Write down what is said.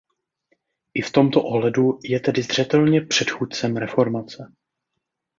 I v tomto ohledu je tedy zřetelně předchůdcem reformace.